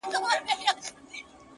o مړ مه سې. د بل ژوند د باب وخت ته.